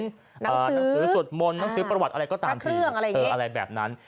หนังสือสวดมนต์หนังสือประวัติอะไรก็ตามทีอะไรแบบนั้น